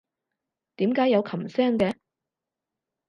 點解有琴聲嘅？